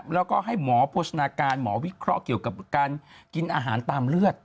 แล้วก็ให้หมอโภชนาการหมอวิเคราะห์เกี่ยวกับการกินอาหารตามเลือด